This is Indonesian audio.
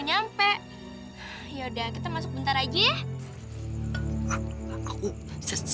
nyampe yaudah kita masuk bentar aja ya aku sakit